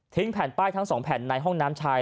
แผ่นป้ายทั้ง๒แผ่นในห้องน้ำชาย